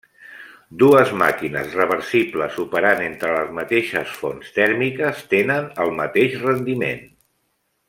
Dues màquines reversibles operant entre les mateixes fonts tèrmiques tenen el mateix rendiment.